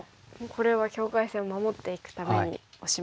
これは境界線を守っていくためにオシます。